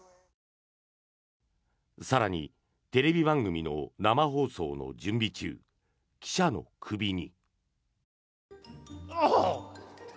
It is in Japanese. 更に、テレビ番組の生放送の準備中記者の首に。